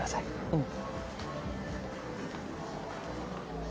うん。